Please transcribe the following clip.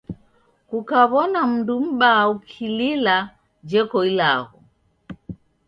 Kukawona mndu mbaa ukilila jeko ilagho.